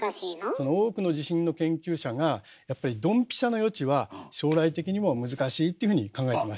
その多くの地震の研究者がやっぱりドンピシャの予知は将来的にも難しいっていうふうに考えてます。